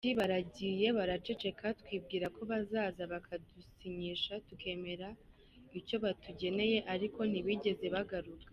Ati “Baragiye baraceceka twibwira ko bazaza bakadusinyisha tukemera icyo batugeneye ariko ntibigeze bagaruka.